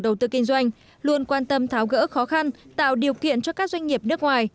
đầu tư kinh doanh luôn quan tâm tháo gỡ khó khăn tạo điều kiện cho các doanh nghiệp nước ngoài